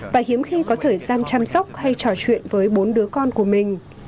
và hiếm khi có thời gian chăm sóc hay trò chuyện với bốn đứa con của mình